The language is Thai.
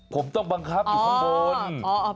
ผมต้องบังคับอยู่ข้างบน